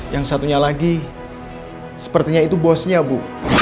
yang satunya lagi sepertinya itu bosnya bu